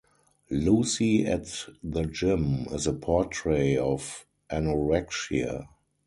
"Lucy at the Gym" is a portrait of anorexia.